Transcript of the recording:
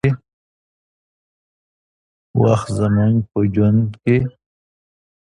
وخت زموږ په ژوند کې